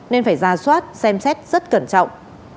nên phải ra soát xem xét rất cẩn trọng